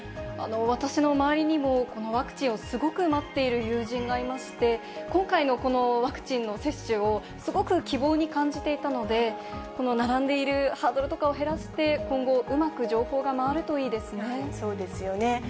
私の周りにも、このワクチンをすごく待っている友人がいまして、今回のこのワクチンの接種を、すごく希望に感じていたので、この並んでいるハードルとかを減らして、今後、うまく情報が回るそうですよね。